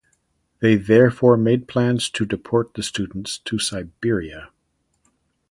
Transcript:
They therefore made plans to deport the students to Siberia.